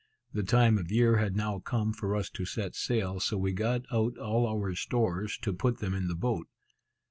The time of year had now come for us to set sail, so we got out all our stores, to put them in the boat.